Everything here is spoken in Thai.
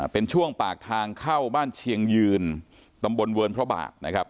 เป็นช่วงปากทางเข้าบ้านเชียงยืนตำบลเวิร์นพระบาทนะครับ